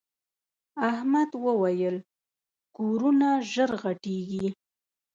احمد وويل: کورونه ژر غټېږي.